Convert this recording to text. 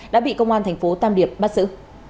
đã bị công an thành phố tam điệp bắt giữ